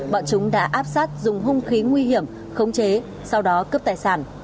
bọn chúng đã áp sát dùng hung khí nguy hiểm khống chế sau đó cướp tài sản